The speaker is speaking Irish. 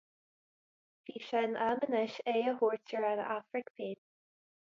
Bhí sé in am anois aghaidh a thabhairt ar an Afraic féin.